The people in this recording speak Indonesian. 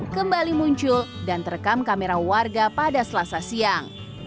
kembali muncul dan terekam kamera warga pada selasa siang